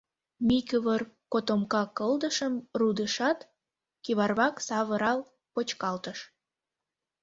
Микывыр котомка кылдышым рудышат, кӱварвак савырал почкалтыш.